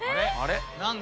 何だ？